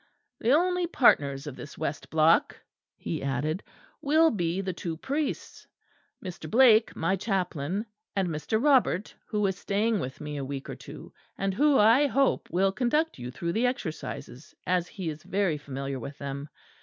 "The only partners of this west block," he added, "will be the two priests Mr. Blake, my chaplain, and Mr. Robert, who is staying with me a week or two; and who, I hope, will conduct you through the Exercises, as he is very familiar with them.